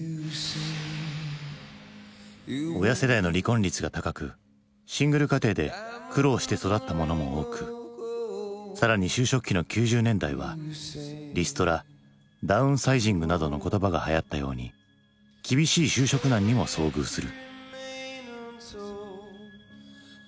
親世代の離婚率が高くシングル家庭で苦労して育った者も多く更に就職期の９０年代は「リストラ」「ダウンサイジング」などの言葉がはやったように厳しい就職難にも遭遇する。